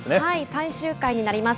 最終回になります。